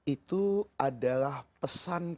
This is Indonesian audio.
itu adalah pesan perhatian